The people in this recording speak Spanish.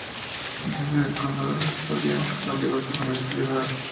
La sede del condado es Astoria, al igual que su mayor ciudad.